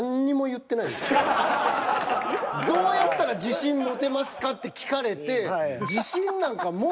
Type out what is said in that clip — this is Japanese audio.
「どうやったら自信持てますか？」って聞かれて。